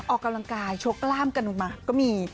ออกกำลังกายโชว์กล้ามกันมาก็มี